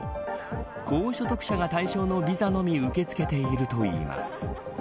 高所得者が対象のビザのみ受け付けているといいます。